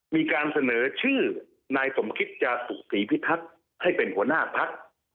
มีการเสนอชื่อนายสมคิตจาตุศรีพิทักษ์ให้เป็นหัวหน้าพัก